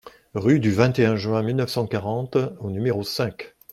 Rue du vingt et un Juin mille neuf cent quarante au numéro cinq